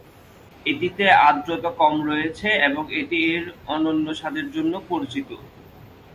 এটিতে আর্দ্রতা কম রয়েছে এবং এটি এর অনন্য স্বাদের জন্য পরিচিত।